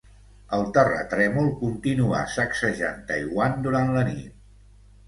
El terratrèmol continuà sacsejant Taiwan durant la nit.